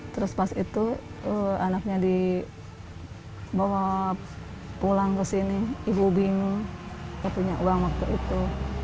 terus pas itu anaknya dibawa pulang ke sini ibu bingung aku punya uang waktu itu